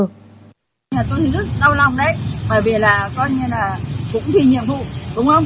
và con như là cũng thì nhiệm vụ đúng không